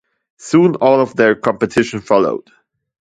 Soon, all of their competition followed.